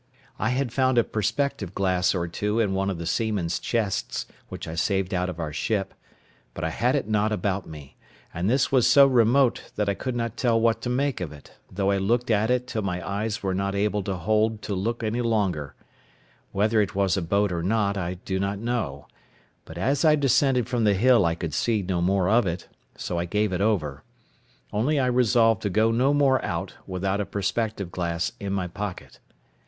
I had found a perspective glass or two in one of the seamen's chests, which I saved out of our ship, but I had it not about me; and this was so remote that I could not tell what to make of it, though I looked at it till my eyes were not able to hold to look any longer; whether it was a boat or not I do not know, but as I descended from the hill I could see no more of it, so I gave it over; only I resolved to go no more out without a perspective glass in my pocket.